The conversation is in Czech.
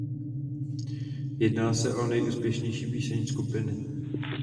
Jedná se o nejúspěšnější píseň skupiny.